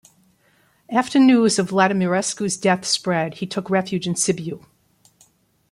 After news of Vladimirescu's death spread, he took refuge in Sibiu.